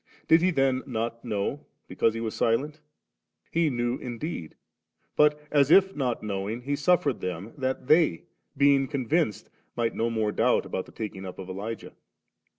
Did he then not know, because he was silent? he knew indeed, but as if not knowing, he suffered them, that they being convinced, might no more doubt about the taking up of Elijah.